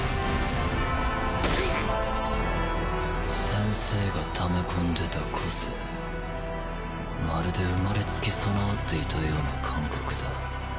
先生がためこんでた個性まるで生まれつき備わっていたような感覚だ。